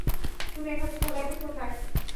তুমি এখন কোথায়?